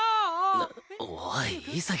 おおい潔